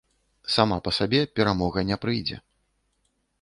Сама па сабе перамога не прыйдзе.